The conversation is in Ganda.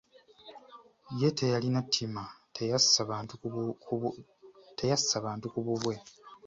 Ye teyalina ttima, teyassa bantu ku bubwe.